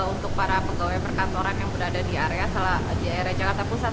untuk para pegawai perkantoran yang berada di area jakarta pusat